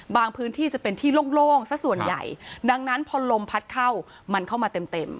พื้นที่จะเป็นที่โล่งสักส่วนใหญ่ดังนั้นพอลมพัดเข้ามันเข้ามาเต็มเต็ม